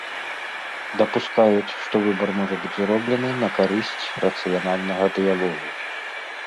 Дапускаюць, што выбар можа быць зроблены на карысць рацыянальнага дыялогу.